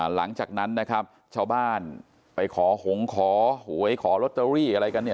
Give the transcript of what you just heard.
หลังจากนั้นนะครับชาวบ้านไปขอหงขอหวยขอลอตเตอรี่อะไรกันเนี่ย